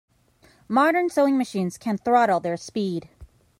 Modern sewing machines can throttle their speed.